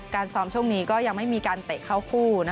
ซ้อมช่วงนี้ก็ยังไม่มีการเตะเข้าคู่